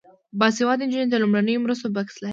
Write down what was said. باسواده نجونې د لومړنیو مرستو بکس لري.